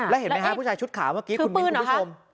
แล้วเห็นไหมฮะผู้ชายชุดขาวเมื่อกี้คุณมิ้นคุณผู้ชม